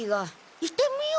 行ってみよう！